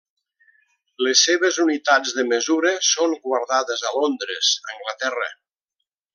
Les seves unitats de mesura són guardades a Londres, Anglaterra.